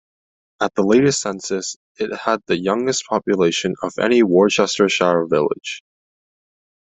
At the latest census, it had the youngest population of any Worcestershire village.